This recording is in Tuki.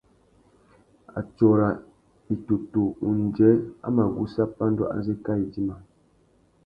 Atsôra itutu undjê a mà gussa pandú azê kā idjima.